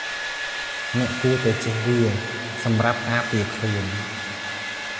អ្នកគួរតែចេះវា សំរាប់ការពារខ្លួន ។